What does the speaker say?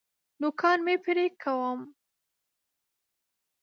نوکان مي پرې کوم .